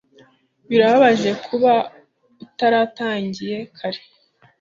Birababaje kuba utaratangiye kare.